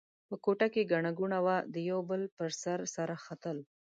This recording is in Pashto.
په کوټه کې ګڼه ګوڼه وه؛ د یوه بل پر سر سره ختل.